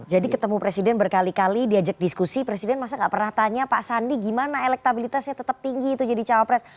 jadi ketemu presiden berkali kali diajak diskusi presiden masa gak pernah tanya pak sandi gimana elektabilitasnya tetap tinggi itu jadi cawapres